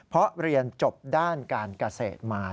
เพราะเรียนจบด้านการเกษตรมา